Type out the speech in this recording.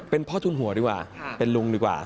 เป็นพ่อทุนหัวดีกว่าเป็นลุงดีกว่า